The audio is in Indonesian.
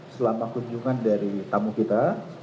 selama kunjungan dari tamu kita